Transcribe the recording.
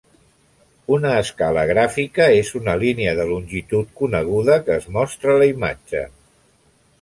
Una escala gràfica és una línia de longitud coneguda que es mostra a la imatge.